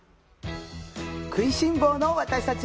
食いしん坊の私たち